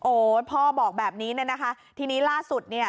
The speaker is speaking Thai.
พ่อบอกแบบนี้เนี่ยนะคะทีนี้ล่าสุดเนี่ย